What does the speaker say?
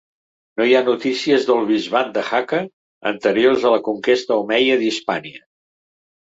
No hi ha notícies del bisbat de Jaca anteriors a la conquesta omeia d'Hispània.